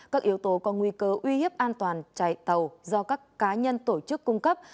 các yếu tố có nguy cơ uy hiếp an toàn chạy tàu do các cá nhân tổ chức cung cấp